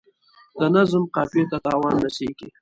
د نظم قافیې ته تاوان رسیږي.